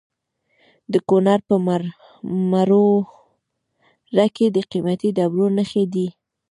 د کونړ په مروره کې د قیمتي ډبرو نښې دي.